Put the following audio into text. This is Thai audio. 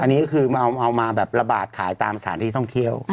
อันนี้ก็คือเอามาแบบระบาดขายตามสถานที่ท่องเที่ยว